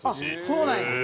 そうなんや。